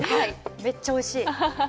めっちゃおいしい。